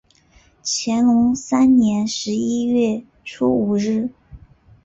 乾隆三年十一月初五日。